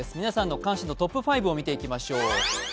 皆さんの関心度トップ５を見ていきましょう。